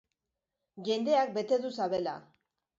Jendeak bete du sabela.